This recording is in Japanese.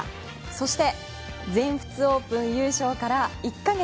そして全仏オープン優勝から１か月。